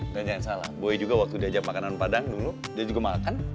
dan jangan salah boy juga waktu diajak makanan padang dulu dia juga makan